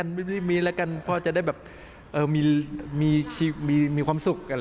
ยุดน๊ะเซาเทพภะบุตรสุดที่รัก